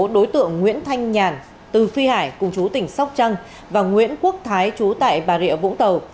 đối tượng nguyễn thanh nhàn từ phi hải cùng chú tỉnh sóc trăng và nguyễn quốc thái chú tại bà rịa vũng tàu